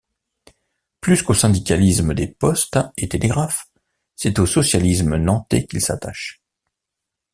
Plus qu'au syndicalisme des Postes et Télégraphes, c'est au socialisme nantais qu'il s'attache.